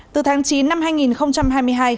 từ tháng chín năm hai nghìn hai mươi hai